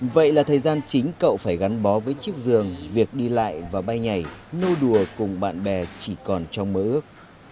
vậy là thời gian chính cậu phải gắn bó với chiếc giường việc đi lại và bay nhảy nô đùa cùng bạn bè chỉ còn trong mơ ước